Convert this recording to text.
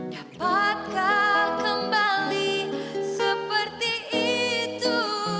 dapatkah kembali seperti itu